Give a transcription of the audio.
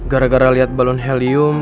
gara gara lihat balon helium